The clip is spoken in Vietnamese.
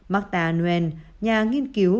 macta nguyen nhà nghiên cứu